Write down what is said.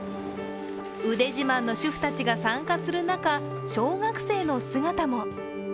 腕自慢の主婦たちが参加する中、小学生の姿も。